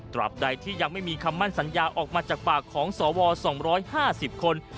รับใดที่ยังไม่มีคำมั่นสัญญาออกมาจากปากของสว๒๕๐คน